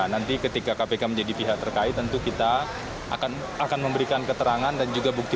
nanti ketika kpk menjadi pihak terkait tentu kita akan memberikan keterangan dan juga bukti